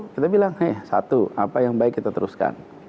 kita bilang eh satu apa yang baik kita teruskan